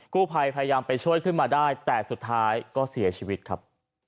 กู้ภัยพยายามไปช่วยขึ้นมาได้แต่สุดท้ายก็เสียชีวิตครับ